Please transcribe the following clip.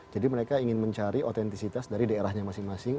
jadi mereka ingin mencari autentisitas dari daerahnya masing masing